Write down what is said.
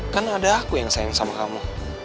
kan ada aku yang sayang sama kamu